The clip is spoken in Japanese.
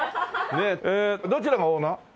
どちらがオーナー？